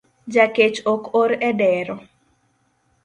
Jakech ok or edero